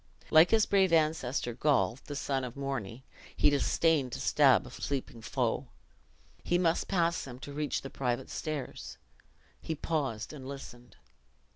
Like his brave ancestor, Gaul, the son of Morni, "he disdained to stab a sleeping foe!" He must pass them to reach the private stairs. He paused and listened.